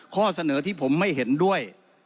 ข้อเสนอที่ผมไม่เห็นด้วย